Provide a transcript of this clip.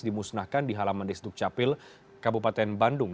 dimusnahkan di halaman destuk capil kabupaten bandung